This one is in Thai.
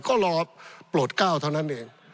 ก็รอโปรดก้าวเท่านั้นเอง